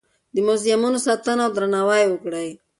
د موزیمونو ساتنه او درناوی وکړئ.